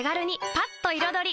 パッと彩り！